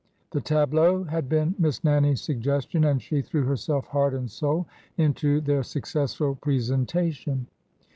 The tableaux had been Miss Nannie's suggestion, and she threw herself, heart and soul, into their successful presentation.